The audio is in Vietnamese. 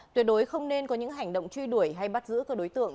tuyệt đối không nên có những hành động truy đuổi hay bắt giữ các đối tượng